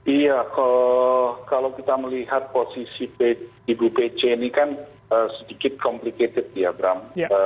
iya kalau kita melihat posisi ibu pc ini kan sedikit komplikated diagram